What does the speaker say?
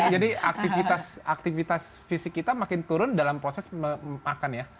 jadi aktivitas fisik kita makin turun dalam proses memakan ya